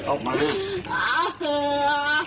ออกมาด้วย